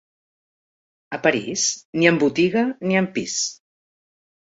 A París, ni en botiga ni en pis.